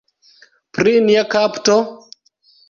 Pri nia kapto?